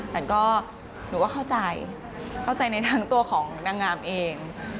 แต่ก็หนูก็เข้าใจเข้าใจในทั้งตัวของนางงามเอง